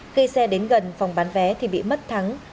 khi xe đến gần phòng bán vé thì bị mất thắng